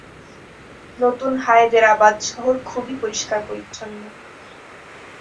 নতুন হায়দেরাবাদ শহর খুবই পরিষ্কার-পরিচ্ছন্ন।